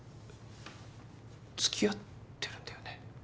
つきあってるんだよね？